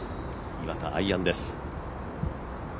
岩田、アイアンです。